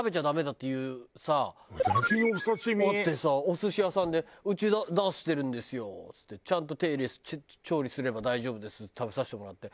あってさお寿司屋さんでうち出してるんですよっつってちゃんと調理すれば大丈夫ですって食べさせてもらって。